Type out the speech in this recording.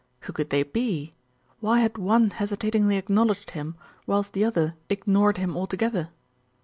Who could they be? Why had one hesitatingly acknowledged him, whilst the other ignored him altogether?